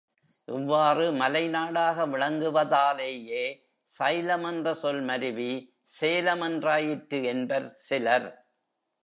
இவ்வாறு மலைநாடாக விளங்குவதாலேயே, சைலம் என்ற சொல் மருவி சேலம் என்றாயிற்று என்பர் சிலர்.